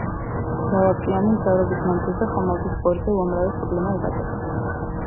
მრავალწლიანი მგზავრობის მანძილზე ხომალდის ბორტზე უამრავი პრობლემა იბადება.